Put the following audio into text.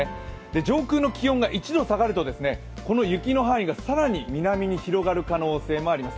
上空の気温が１度下がるとこの雪の範囲が更に南に広がる可能性もあります。